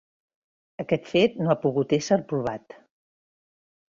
Aquest fet no ha pogut ésser provat.